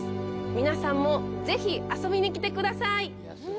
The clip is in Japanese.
皆さんも、ぜひ遊びに来てください！